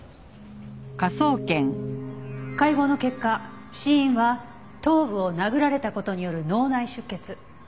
解剖の結果死因は頭部を殴られた事による脳内出血。